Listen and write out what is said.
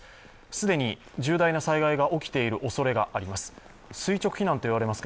既に重大な災害が起きているおそれがあります。